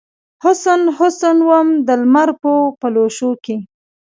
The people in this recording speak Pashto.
حسن ، حسن وم دلمر په پلوشو کې